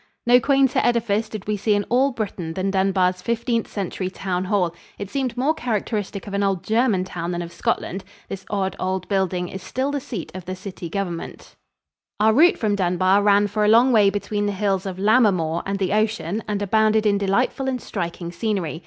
No quainter edifice did we see in all Britain than Dunbar's Fifteenth Century town hall. It seemed more characteristic of an old German town than of Scotland. This odd old building is still the seat of the city government. [Illustration: TOWN HOUSE, DUNBAR, SCOTLAND.] Our route from Dunbar ran for a long way between the hills of Lammermoor and the ocean and abounded in delightful and striking scenery.